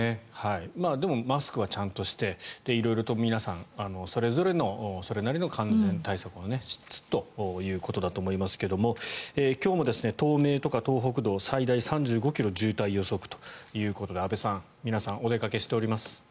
でもマスクはちゃんとして色々と皆さんそれぞれの感染対策をしつつということだと思いますが今日も東名とか東北道最大３５ｋｍ渋滞予測ということで安部さん皆さんお出かけしております。